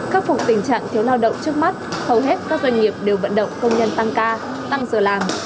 khắc phục tình trạng thiếu lao động trước mắt hầu hết các doanh nghiệp đều vận động công nhân tăng ca tăng giờ làm